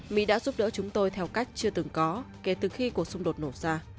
mỹ đã giúp đỡ chúng tôi theo cách chưa từng có kể từ khi cuộc xung đột nổ ra